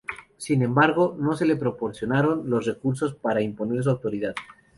Sin embargo, no se le proporcionaron los recursos para imponer su autoridad.